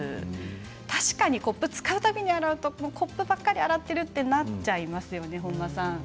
確かにコップを使うたびに洗うとコップばかり洗っているとなってしまいますよね。